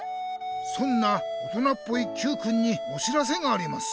そんな大人っぽいＱくんにお知らせがあります。